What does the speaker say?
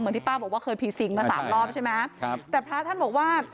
เหมือนที่ป้าบอกว่าเคยผีสิงมา๓รอบใช่ไหมแต่พระท่านบอกว่า